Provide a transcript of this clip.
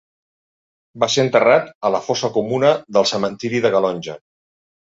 Va ser enterrat a la fossa comuna del cementiri de Calonge.